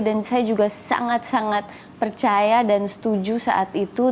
dan saya juga sangat sangat percaya dan setuju saat itu